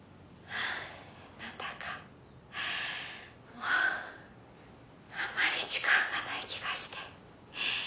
何だかもうあんまり時間がない気がして。